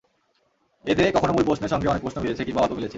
এতে কখনো মূল প্রশ্নের সঙ্গে অনেক প্রশ্ন মিলেছে কিংবা অল্প মিলেছে।